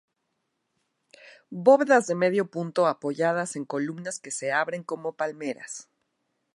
Bóvedas de medio punto apoyadas en columnas que se abren como palmeras.